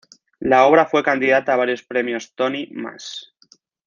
La obra fue candidata a varios Premios Tony más.